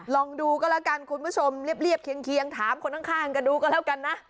ลองดูก็แล้วกันคุณผู้ชมเรียบเคียงถามคนข้างก็ดูกันแล้วกันนะ